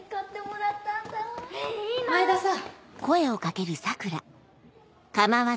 前田さん。